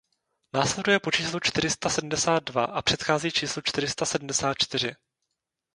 Následuje po číslu čtyři sta sedmdesát dva a předchází číslu čtyři sta sedmdesát čtyři.